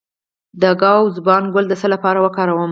د ګاو زبان ګل د څه لپاره وکاروم؟